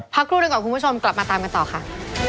ครูหนึ่งก่อนคุณผู้ชมกลับมาตามกันต่อค่ะ